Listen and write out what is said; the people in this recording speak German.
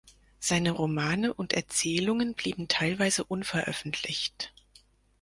Seine Romane und Erzählungen blieben teilweise unveröffentlicht.